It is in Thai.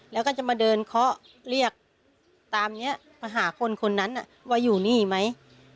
แล้วก็จะมาเดินเคาะเรียกตามนี้มาหาคนคนนั้นว่าอยู่นี่ไหม